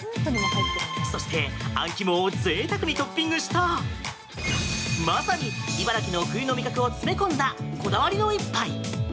そして、あん肝をぜいたくにトッピングしたまさに茨城の冬の味覚を詰め込んだこだわりの一杯。